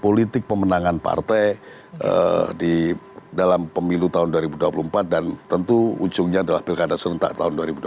politik pemenangan partai di dalam pemilu tahun dua ribu dua puluh empat dan tentu ujungnya adalah pilkada serentak tahun dua ribu dua puluh